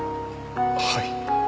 はい。